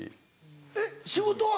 えっ仕事は？